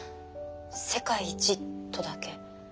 「世界一」とだけ。